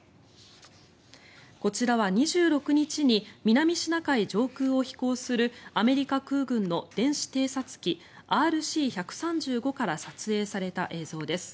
こちらは２６日に南シナ海上空を飛行するアメリカ空軍の電子偵察機ＲＣ１３５から撮影された映像です。